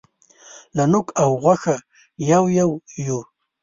لکه نوک او غوښه یو یو یوو.